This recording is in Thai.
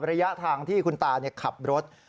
ระยะทางที่คุณตาขับรถ